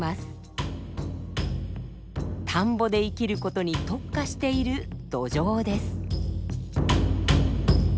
田んぼで生きる事に特化しているドジョウです。